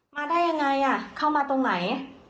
มาได้ยังไงเข้ามาตรงไหน